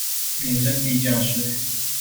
免徵地價稅